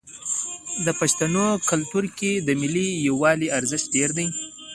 د پښتنو په کلتور کې د ملي یووالي ارزښت ډیر دی.